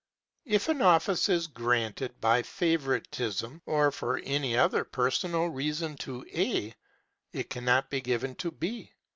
If an office is granted by favoritism or for any personal reason to A, it cannot be given to B.